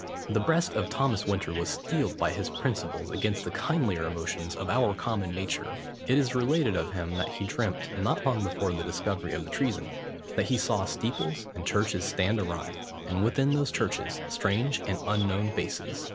The breast of Thomas Winter was steeled by his principles against the kindlier emotions of our common nature. It is related of him, that he dreamt, not long before the discovery of the treason, "that he saw steeples and churches stand awry, and within those churches strange and unknown faces."